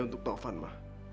untuk taufan ma